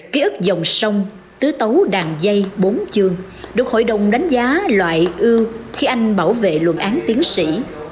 ký ức dòng sông tứ tấu đàn dây bốn chương được hội đồng đánh giá loại ưu khi anh bảo vệ luận án tiến sĩ